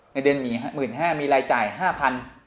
เงินเดือน๑๕๐๐๐บาทมีรายจ่าย๕๐๐๐บาท